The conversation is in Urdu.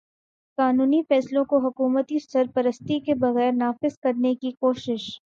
قانونی فیصلوں کو حکومتی سرپرستی کے بغیر نافذ کرنے کی کوشش